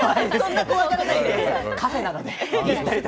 カフェなので。